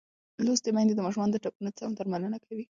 لوستې میندې د ماشومانو د ټپونو سم درملنه کوي.